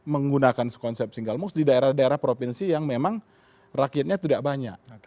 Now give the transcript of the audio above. menggunakan konsep single moose di daerah daerah provinsi yang memang rakyatnya tidak banyak